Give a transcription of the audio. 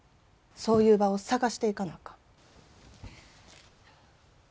そういう場を探していかなあかん。